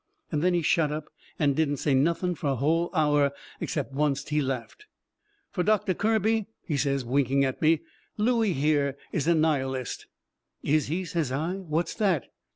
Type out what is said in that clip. And then he shut up, and didn't say nothing fur a hull hour, except oncet he laughed. Fur Doctor Kirby, he says, winking at me: "Looey, here, is a nihilist." "Is he," says I, "what's that?"